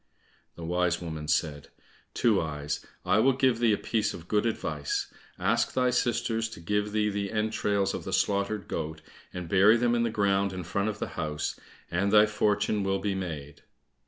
The wise woman said, "Two eyes, I will give thee a piece of good advice; ask thy sisters to give thee the entrails of the slaughtered goat, and bury them in the ground in front of the house, and thy fortune will be made."